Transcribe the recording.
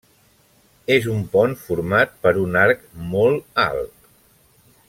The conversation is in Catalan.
És un pont format per un arc molt alt.